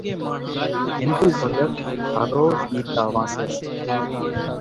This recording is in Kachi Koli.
ۿينۮُو ڀڳت هروز ڳيتا وانسيَ سي۔